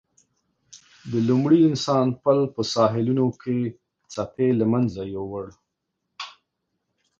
د لومړي انسان پل په ساحلونو کې څپې له منځه یووړ.